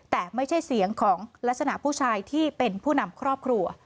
แต่ไม่ใช่เสียงของลักษณะผู้ชายที่เป็นผู้นำครอบครัว